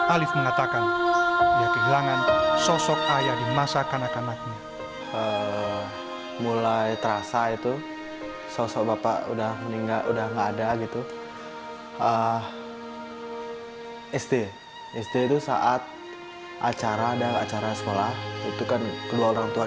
alif mengatakan ia kehilangan sosok ayah di masa kanak kanaknya mulai terasa